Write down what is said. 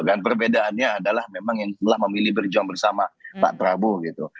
dan perbedaannya adalah memang yang telah memilih berjuang bersama pak prabowo gitu